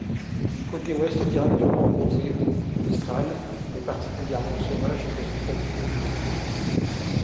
La côte ouest, directement exposée aux coups de mistral, est particulièrement sauvage et inhospitalière.